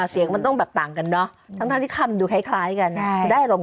เสียงมันต้องแบบต่างกันเนอะทั้งที่คำดูคล้ายกันได้อารมณ